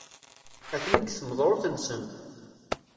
Atni deg tmudrut-nsen.